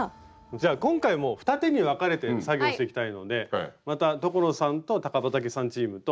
じゃあ今回も二手に分かれて作業をしていきたいのでまた所さんと高畠さんチームと。